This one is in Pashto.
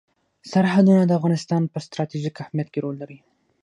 سرحدونه د افغانستان په ستراتیژیک اهمیت کې رول لري.